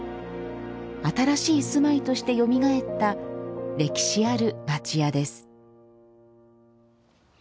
新しい住まいとしてよみがえった歴史ある町家です。